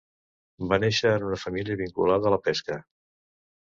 Va néixer en una família vinculada a la pesca.